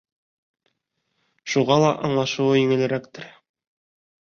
Шуға ла аңлашыуы еңелерәктер...